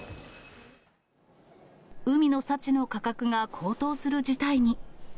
海の幸の価格が高騰する事態に。